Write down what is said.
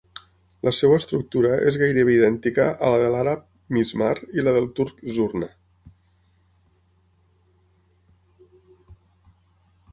La seva estructura és gairebé idèntica a la de l'àrab "mizmar" i la del turc "zurna".